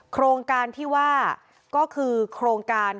โครงการที่ว่าก็คือโครงการ